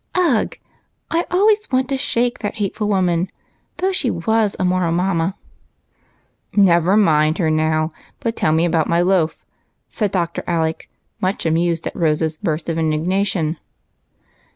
Ugh ! I always want to shake that hateful woman, though she was a moral mamma." " Never mind her now, but tell me all about my loaf," said Dr. Alec, much amused at Rose's burst of indignation.